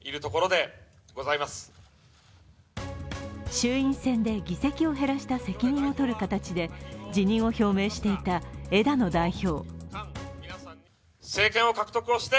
衆院選で議席を減らした責任を取る形で辞任を表明していた枝野代表。